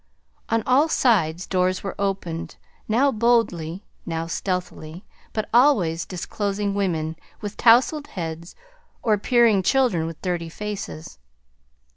On all sides doors were opened, now boldly, now stealthily, but always disclosing women with tousled heads or peering children with dirty faces.